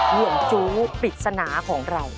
เหนื่องจู๊ปิดสนาของเรา